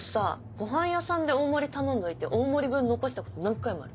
ごはん屋さんで大盛り頼んどいて大盛り分残したこと何回もある。